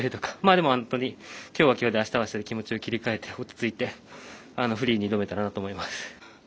でも、きょうはきょうであしたはあしたで気持ちを切り替えて落ち着いてフリーに挑めたらなと思います。